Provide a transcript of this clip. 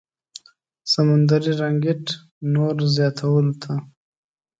سمندري رنګت نور زياتولو ته